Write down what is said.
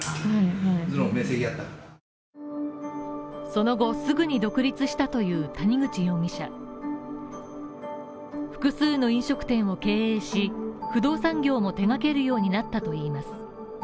その後すぐに独立したという谷口容疑者複数の飲食店を経営し、不動産業も手がけるようになったといいます。